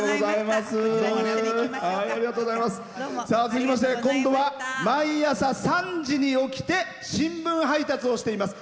続きまして今度は毎朝３時に起きて新聞配達をしています。